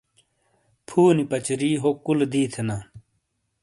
فُونی پَچاری ہو کُولے دِی تھینا۔